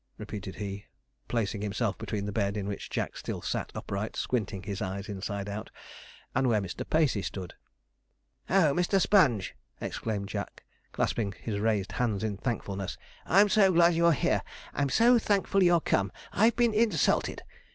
repeated he, placing himself between the bed in which Jack still sat upright, squinting his eyes inside out, and where Mr. Pacey stood. 'Oh, Mr. Sponge!' exclaimed Jack, clasping his raised hands in thankfulness, 'I'm so glad you're here! I'm so thankful you're come! I've been insulted!